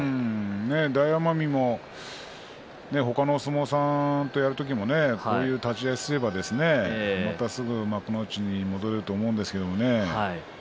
大奄美も他のお相撲さんとやる時もこういう立ち合いをすればまた幕内に戻れると思うんですけれどね。